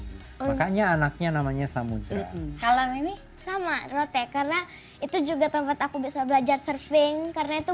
makanya anaknya namanya samuderam ini sama rote karena itu juga tempat aku bisa belajar surfing karena itu